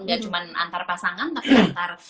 dia cuma antar pasangan tapi antar